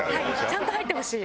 ちゃんと入ってほしい。